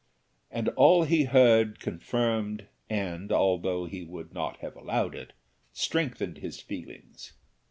And all he heard confirmed, and, although he would not have allowed it, strengthened his feelings.